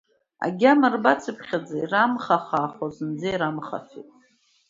Агьама рбацыԥхьаӡа ирамхахаахо, зынӡа ирамхафеит.